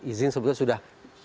izin sebutnya sudah